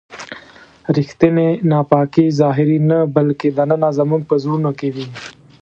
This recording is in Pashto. ریښتینې ناپاکي ظاهري نه بلکې دننه زموږ په زړونو کې وي.